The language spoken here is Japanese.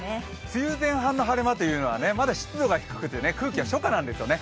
梅雨前半の晴れ間というのは、まだ湿度が低くて空気が初夏なんですよね。